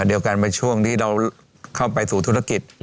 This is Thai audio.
เดียวกันในช่วงที่เราเข้าไปสู่ธุรกิจ